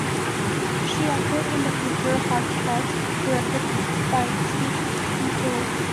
She acted in the feature "Hard To Get" directed by Zee Ntuli.